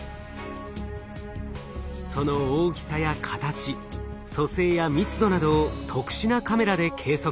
その大きさや形組成や密度などを特殊なカメラで計測。